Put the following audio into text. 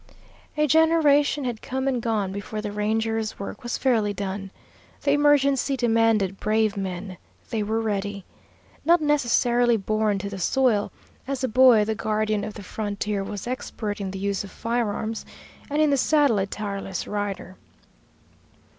A generation had come and gone before the Ranger's work was fairly done. The emergency demanded brave men. They were ready. Not necessarily born to the soil, as a boy the guardian of the frontier was expert in the use of firearms, and in the saddle a tireless rider.